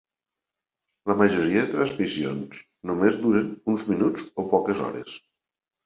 La majoria de transmissions només duren uns minuts o poques hores.